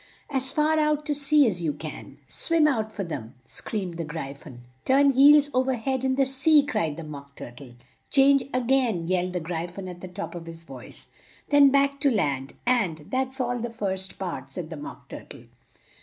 "As far out to sea as you can " "Swim out for them," screamed the Gry phon. "Turn heels o ver head in the sea!" cried the Mock Tur tle. "Change a gain!" yelled the Gry phon at the top of his voice. "Then back to land, and that's all the first part," said the Mock Tur tle.